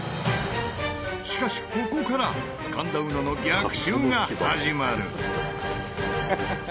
しかしここから神田うのの逆襲が始まる。